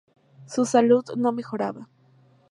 Su salud no mejoraba.